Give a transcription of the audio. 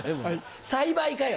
栽培かよ！